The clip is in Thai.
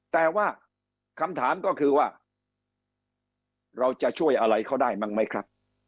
แต่ว่าคำถามก็คือว่าเราจะช่วยอะไรเขาได้มั้งไหมครับ